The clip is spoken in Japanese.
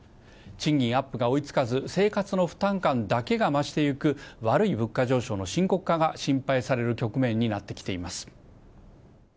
賃金アップが追いつかず、生活の負担感だけが増していく、悪い物価上昇の深刻化が心配される局面になってきています。